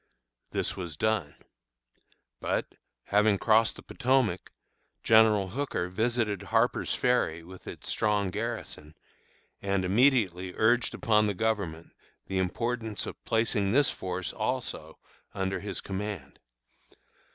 This was done. But, having crossed the Potomac, General Hooker visited Harper's Ferry with its strong garrison, and immediately urged upon the Government the importance of placing this force also under his command.